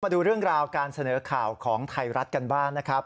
ดูเรื่องราวการเสนอข่าวของไทยรัฐกันบ้างนะครับ